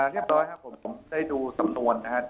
เรียบร้อยครับผมผมได้ดูสำนวนนะครับ